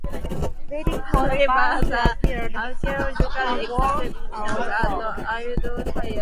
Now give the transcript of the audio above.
waiting for the band to appear and took a walk around the park.